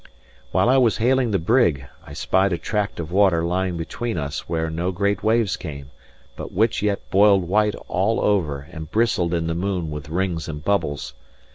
While I was hailing the brig, I spied a tract of water lying between us where no great waves came, but which yet boiled white all over and bristled in the moon with rings and bubbles.